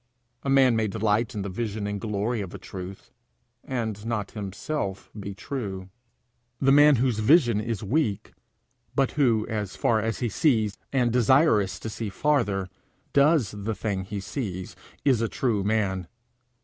A man may delight in the vision and glory of a truth, and not himself be true. The man whose vision is weak, but who, as far as he sees, and desirous to see farther, does the thing he sees, is a true man.